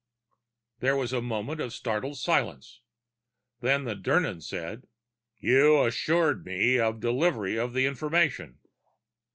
There was a moment of startled silence. Then the Dirnan said, "You assured me delivery of the information."